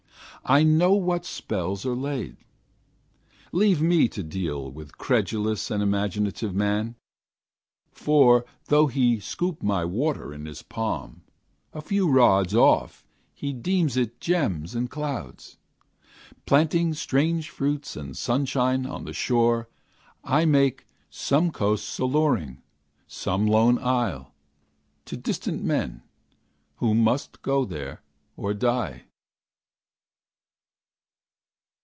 I know what spells are laid. Leave me to deal With credulous and imaginative man; For, though he scoop my water in his palm, A few rods off he deems it gems and clouds. Planting strange fruits and sunshine on the shore, I make some coast alluring, some lone isle, To distant men, who must go there, or die.